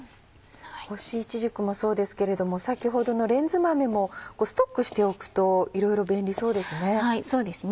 干しいちじくもそうですけれども先ほどのレンズ豆もストックしておくといろいろ便利そうですね。